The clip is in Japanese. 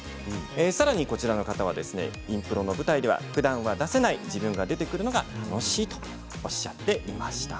さらに、こちらの方はインプロの舞台ではふだんは出せない自分が出てくるのが楽しいとおっしゃっていました。